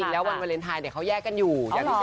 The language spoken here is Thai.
แล้ววันเวลาไทยเนี่ยเขาแยกกันอยู่